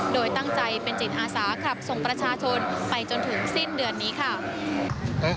โดยตั้งใจเป็นจิตอาสาขับส่งประชาชนไปจนถึงสิ้นเดือนนี้ค่ะ